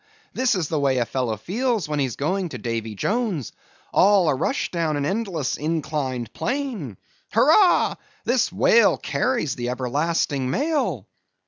this is the way a fellow feels when he's going to Davy Jones—all a rush down an endless inclined plane! Hurrah! this whale carries the everlasting mail!"